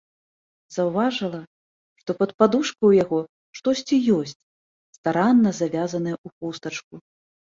Заўважыла, што пад падушкай у яго штосьці ёсць, старанна завязанае ў хустачку.